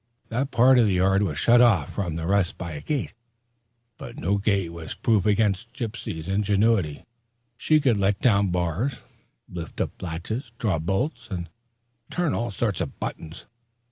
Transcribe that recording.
That part of the yard was shut off from the rest by a gate; but no gate was proof against Gypsy's ingenuity. She could let down bars, lift up latches, draw bolts, and turn all sorts of buttons.